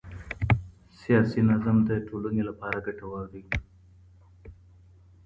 سياسي نظم د ټولنې لپاره ګټور دی.